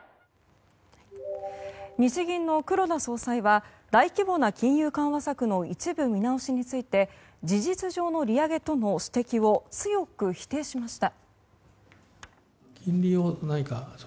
日銀の黒田総裁は大規模な金融緩和策の一部見直しについて事実上の利上げとの指摘を強く否定しました。